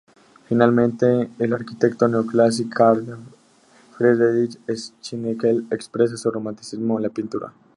Finalmente, el arquitecto neoclásico Karl Friedrich Schinkel expresa su romanticismo en la pintura.